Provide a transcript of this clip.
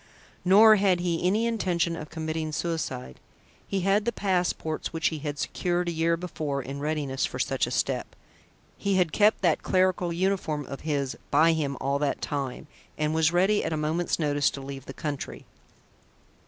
Nor had he any intention of committing suicide. He had the passports which he had secured a year before in readiness for such a step (he had kept that clerical uniform of his by him all that time) and was ready at a moment's notice to leave the country.